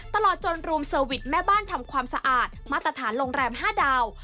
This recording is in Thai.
ตลอดจนรวมเซอร์วิสแม่บ้านทำความสะอาดมาตรฐานโรงแรม๕ดาว